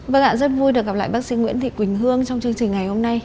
vâng ạ rất vui được gặp lại bác sĩ nguyễn thị quỳnh hương trong chương trình ngày hôm nay